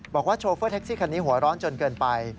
โชเฟอร์แท็กซี่คันนี้หัวร้อนจนเกินไป